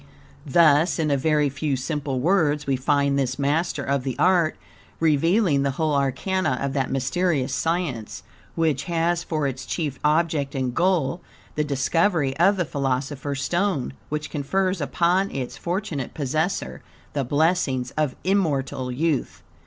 Thus, in a very few simple words, we find this master of the art revealing the whole arcana of that mysterious science, which has for its chief object and goal, the discovery of the "philosopher's stone," which confers upon its fortunate possessor the blessings of immortal youth.